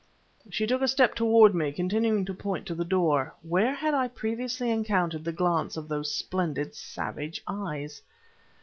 She took a step towards me, continuing to point to the door. Where had I previously encountered the glance of those splendid, savage eyes?